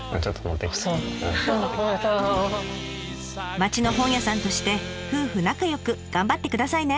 町の本屋さんとして夫婦仲よく頑張ってくださいね！